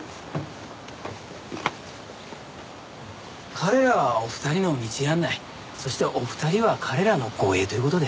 彼らはお二人の道案内そしてお二人は彼らの護衛という事で。